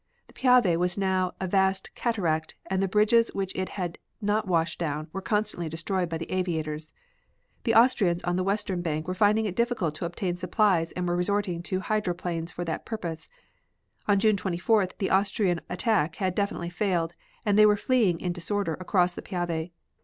The Piave was now a vast cataract and the bridges which it had not washed down were constantly destroyed by the aviators. The Austrians on the western bank were finding it difficult to obtain supplies and were resorting to hydroplanes for that purpose. On June 24th the Austrian attack had definitely failed and they were fleeing in disorder across the Piave.